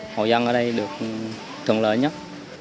hội dân ở đây được thuận lợi nhất